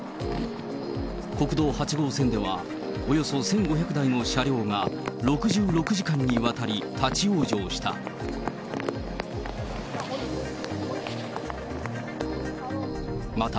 国道８号線では、およそ１５００台の車両が、６６時間にわたり立往生した。